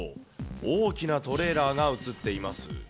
大きなトレーラーが写っています。